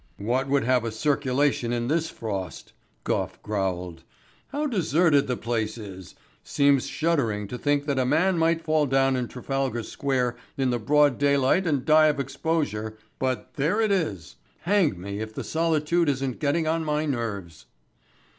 "What would have a circulation in this frost?" Gough growled. "How deserted the place is! Seems shuddering to think that a man might fall down in Trafalgar Square in the broad daylight and die of exposure, but there it is. Hang me if the solitude isn't getting on my nerves."